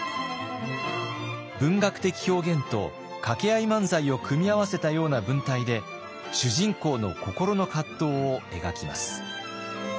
文学的表現と掛け合い漫才を組み合わせたような文体で主人公の心の葛藤を描きます。